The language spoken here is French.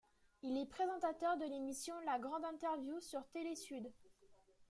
Il est présentateur de l'émission La Grande Interview sur Telesud.